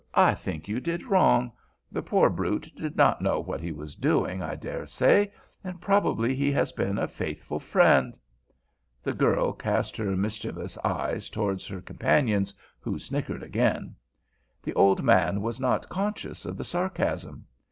I think you did wrong. The poor brute did not know what he was doing, I dare say, and probably he has been a faithful friend." The girl cast her mischievous eyes towards her companions, who snickered again. The old man was not conscious of the sarcasm.